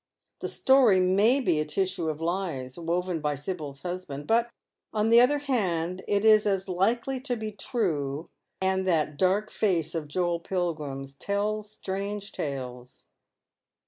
The story may be a tissue of lies, woven by Sibyl's husband ; but, on the other hand, it is as likely to be tnie— and that dark face of Joel Pilgrim's tells strange tales.